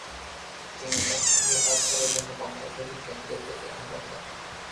তিনি একসঙ্গে কাজ করার জন্য বাংলাদেশের বিজ্ঞানীদের প্রতি আহ্বান জানান।